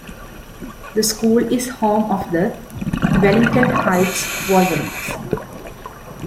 The school is home of the "Wellington Heights Wolverines".